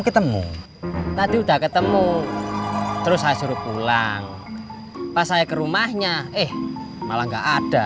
ketemu tadi udah ketemu terus saya suruh pulang pas saya ke rumahnya eh malah enggak ada